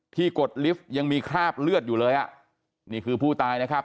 กดลิฟต์ยังมีคราบเลือดอยู่เลยอ่ะนี่คือผู้ตายนะครับ